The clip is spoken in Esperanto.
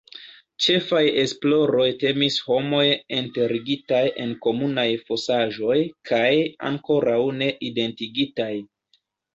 Ĉefaj esploroj temis homoj enterigitaj en komunaj fosaĵoj, kaj ankoraŭ ne identigitaj.